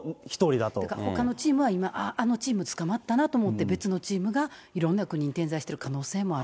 だからほかのチームは、あっ、あのチーム捕まったなということで、別のチームがいろんな国に点在している可能性もある。